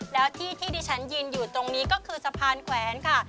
แล้วที่ที่ฉันยืนอยู่ตรงนี้ก็คือสะพานแขวนค่ะ